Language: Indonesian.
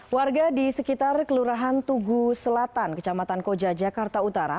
warga di sekitar kelurahan tugu selatan kecamatan koja jakarta utara